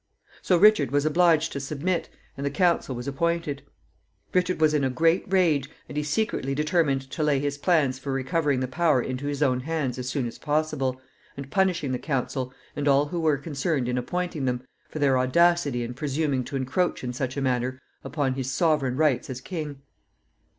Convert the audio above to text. So Richard was obliged to submit, and the council was appointed. Richard was in a great rage, and he secretly determined to lay his plans for recovering the power into his own hands as soon as possible, and punishing the council, and all who were concerned in appointing them, for their audacity in presuming to encroach in such a manner upon his sovereign rights as king.